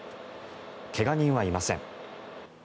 怪我人はいません。